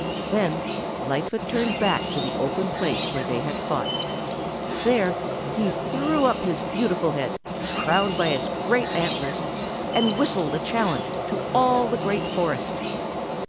Then Lightfoot turned back to the open place where they had fought. There he threw up his beautiful head, crowned by its great antlers, and whistled a challenge to all the Green Forest.